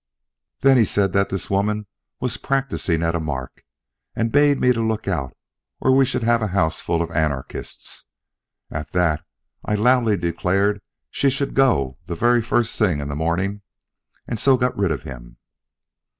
Then he said that this woman was practising at a mark, and bade me look out or we should have a house full of anarchists. At that, I loudly declared she should go the first thing in the morning and so got rid of him.